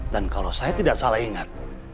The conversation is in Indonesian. dan kalau saya tidak salah ingat